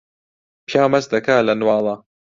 پیاو مەست دەکا لە نواڵە